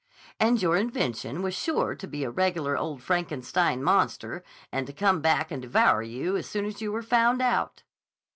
"And your invention was sure to be a regular old Frankenstein monster, and to come back and devour you as soon as you were found out."